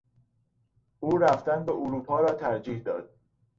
او رفتن به اروپا را ترجیح داد.